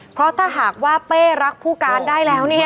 เพราะถ้าหากว่าเป้รักผู้การได้แล้วเนี่ย